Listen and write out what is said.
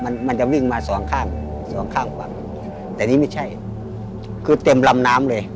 มันมันจะวิ่งมาสองข้างสองข้างฝั่งแต่นี่ไม่ใช่คือเต็มลำน้ำเลย